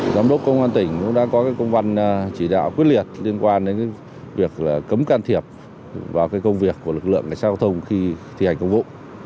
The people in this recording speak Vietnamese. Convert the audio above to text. giám đốc công an tỉnh cũng đã có công văn chỉ đạo quyết liệt liên quan đến việc cấm can thiệp vào công việc của lực lượng cảnh sát giao thông khi thi hành công vụ